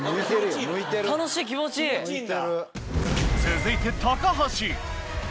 続いて橋